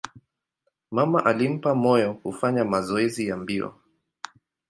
Mama alimpa moyo kufanya mazoezi ya mbio.